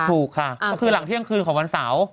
ถูกค่ะก็คือหลังเที่ยงคืนของวันเสาร์